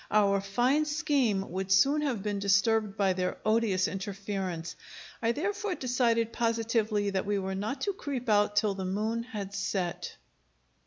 Our fine scheme would soon have been disturbed by their odious interference. I therefore decided positively that we were not to creep out till the moon had set....